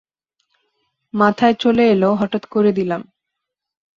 মাথায় চলে এলো, হঠাৎ করে দিলাম।